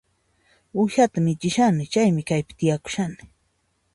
Uwihata michishani, chaymi kaypi tiyakushani